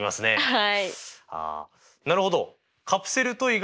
はい。